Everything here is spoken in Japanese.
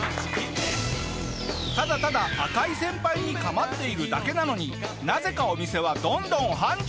ただただ赤井先輩に構っているだけなのになぜかお店はどんどん繁盛！